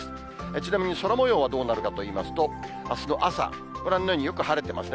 ちなみに空もようはどうなるかといいますと、あすの朝、ご覧のようによく晴れてますね。